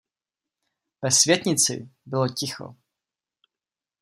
Ve světnici bylo ticho.